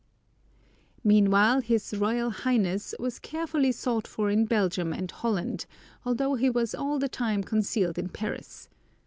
Meanwhile his "Royal Highness" was carefully sought for in Belgium and Holland, although he was all the time concealed in Paris.